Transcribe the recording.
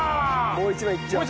もう一枚いっちゃおう。